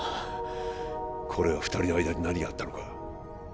これは２人の間に何があったのか